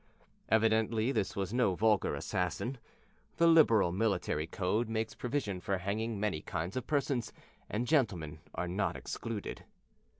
Evidently this was no vulgar assassin. The liberal military code makes provision for hanging many kinds of persons, and gentlemen are not excluded.